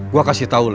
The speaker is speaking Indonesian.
gue kasih tau lo ya